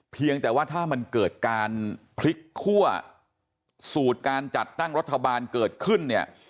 เพียงแต่ว่าถ้ามันเกิดการพลิกคั่วสูตรการจัดตั้งรัฐบาลเกิดขึ้นเนี่ย